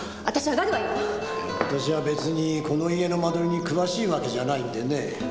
私は別にこの家の間取りに詳しいわけじゃないんでね。